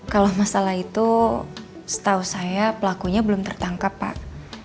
kalau masalah itu setahu saya pelakunya belum tertangkap pak